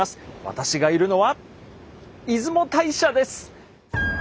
私がいるのは出雲大社です。